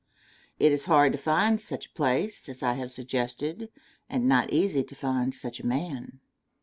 It is hard to find such a place as I have suggested and not easy to find such a man.